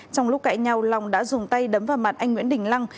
trong lúc cãi nhau long đã dùng tay đấm vào mặt anh nguyễn đình lăng